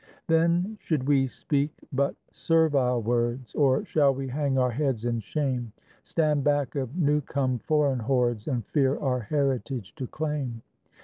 Then should we speak but servile words, Or shall we hang our heads in shame? Stand back of new come foreign hordes, And fear our heritage to claim?